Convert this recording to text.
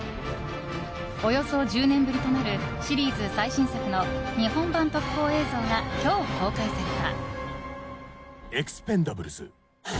およそ１０年ぶりとなるシリーズ最新作の日本版特報映像が今日公開された。